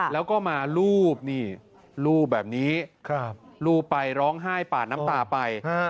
แล้วก็มาลูบนี่รูปแบบนี้ลูบไปร้องไห้ปาดน้ำตาไป